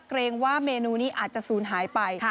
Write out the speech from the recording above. เกรงว่าเมนูนี้อาจจะศูนย์หายไป